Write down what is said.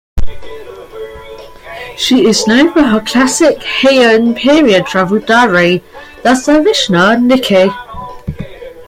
She is known for her classic Heian period travel diary, the "Sarashina Nikki".